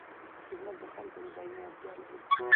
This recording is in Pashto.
خدمت د خلکو د ګډون اړتیا لري.